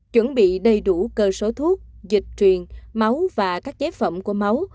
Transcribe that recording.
chuẩn bị đầy đủ cơ số thuốc dịch truyền máu và các chế phẩm của máu